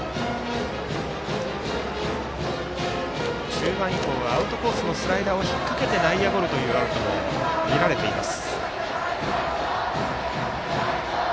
中盤以降はアウトコースのスライダーを引っ掛けて内野ゴロというアウトも見られています。